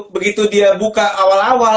begitu dia buka awal awal